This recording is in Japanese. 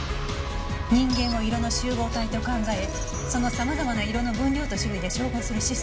人間を色の集合体と考えそのさまざまな色の分量と種類で照合するシステムの事。